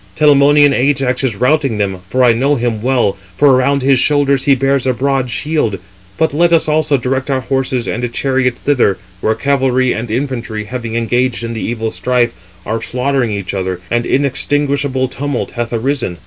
Telamonian Ajax is routing them, for I know him well, for around his shoulders he bears a broad shield. But let us also direct our horses and chariot thither, where cavalry and infantry, having engaged in the evil strife, are slaughtering each other, and inextinguishable tumult hath arisen."